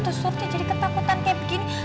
tuh surti jadi ketakutan kayak begini